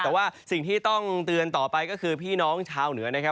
แต่ว่าสิ่งที่ต้องเตือนต่อไปก็คือพี่น้องชาวเหนือนะครับ